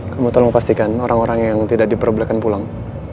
kamu tolong pastikan orang orang yang tidak diperbelahkan pulang